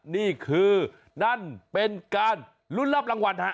นี่คือนั่นเป็นการลุ้นรับรางวัลฮะ